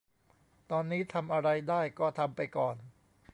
ตอนนี้ทำอะไรได้ก็ทำไปก่อน